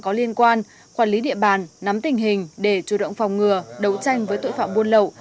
có liên quan quản lý địa bàn nắm tình hình để chủ động phòng ngừa đấu tranh với tội phạm buôn lậu